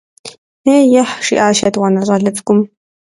- Ей–ехь, - жиӏащ етӏуанэ щӏалэ цӏыкӏум.